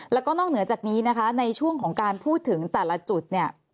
แล้วก็นอกเหนือจากนี้นะคะในช่วงของการพูดถึงแต่ละจุดเนี่ย